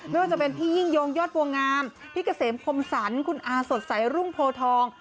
ไม่ว่าจะเป็นพี่ยิ่งยงยอดบัวงามพี่เกษมคมสรรคุณอาสดใสรุ่งโพทอง